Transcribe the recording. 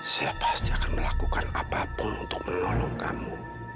saya pasti akan melakukan apapun untuk menolong kamu